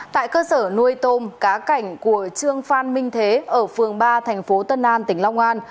tại cơ sở nuôi tôm cá cảnh của trương phan minh thế ở phường ba thành phố tân an tỉnh long an